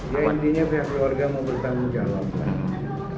ya intinya pihak keluarga mau bertanggung jawab lah